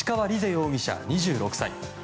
容疑者、２６歳。